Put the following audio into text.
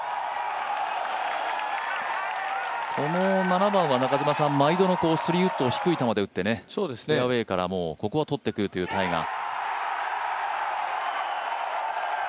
この７番は毎度の３ウッドを低い球で打ってフェアウエーからここはとってくるというタイガー。